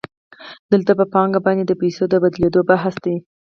دلته په پانګه باندې د پیسو د بدلېدو بحث دی